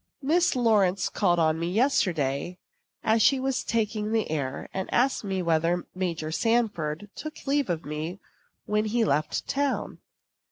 Miss Lawrence called on me yesterday, as she was taking the air, and asked me whether Major Sanford took leave of me when he left town.